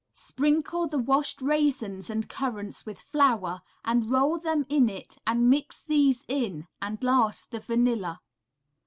Sprinkle the washed raisins and currants with flour, and roll them in it and mix these in, and last the vanilla.